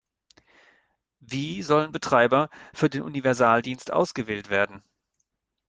Wie sollen Betreiber für den Universaldienst ausgewählt werden?